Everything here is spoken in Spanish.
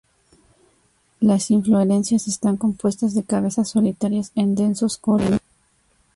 Las inflorescencias están compuestas de cabezas solitarias en densos corimbos.